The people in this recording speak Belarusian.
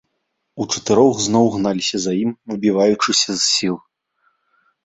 Учатырох зноў гналіся за ім, выбіваючыся з сіл.